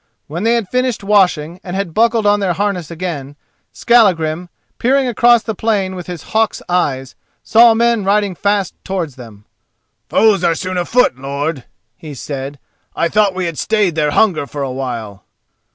When they had finished washing and had buckled on their harness again, Skallagrim, peering across the plain with his hawk's eyes, saw men riding fast towards them. "Foes are soon afoot, lord," he said. "I thought we had stayed their hunger for a while."